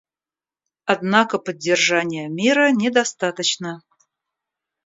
Однако поддержания мира недостаточно.